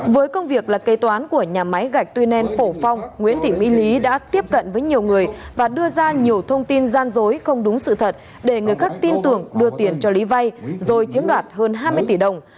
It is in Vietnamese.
với công việc là kê toán của nhà máy gạch tuy nen phổ phong nguyễn thị mỹ lý đã tiếp cận với nhiều người và đưa ra nhiều thông tin gian dối không đúng sự thật để người khác tin tưởng đưa tiền cho lý vay rồi chiếm đoạt hơn hai mươi tỷ đồng